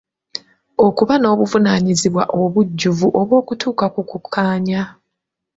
Okuba n'obuvunaanyizibwa obujjuvu obw'okutuuka ku kukkaanya.